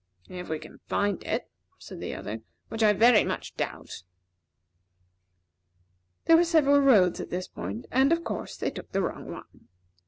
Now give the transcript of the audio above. "If we can find it," said the other, "which I very much doubt." There were several roads at this point and, of course, they took the wrong one.